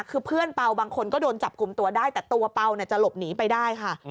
คือเพื่อนเปล่าบางคนก็โดนจับกลุ่มตัวได้แต่ตัวเปล่าจะหลบหนีไปได้ค่ะ